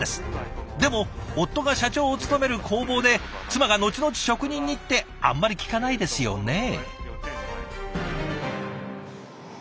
でも夫が社長を務める工房で妻が後々職人にってあんまり聞かないですよね。